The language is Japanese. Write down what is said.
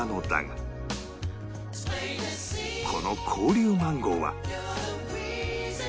この紅龍マンゴーは